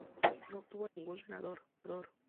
No obtuvo ningún senador.